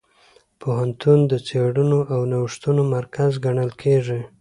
پوهنتون د څېړنو او نوښتونو مرکز ګڼل کېږي.